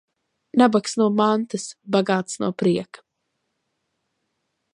Nabags no mantas, bagāts no prieka.